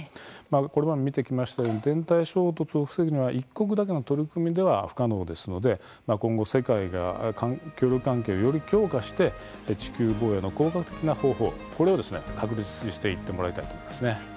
これまでも見てきましたように天体衝突を防ぐには一国だけの取り組みでは不可能ですので、今後、世界が協力関係をより強化して地球防衛の効果的な方法をこれを確立していってもらいたいと思います。